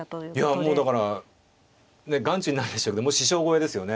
もうだから眼中にないでしょうけどもう師匠越えですよね。